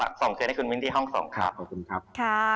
ฝากส่งเงินให้คุณมิ้นที่ห้องส่งครับ